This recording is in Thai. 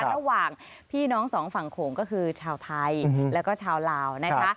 ระหว่างพี่น้องสองฝั่งโขงก็คือชาวไทยแล้วก็ชาวลาวนะคะ